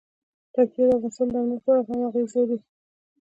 پکتیا د افغانستان د امنیت په اړه هم اغېز لري.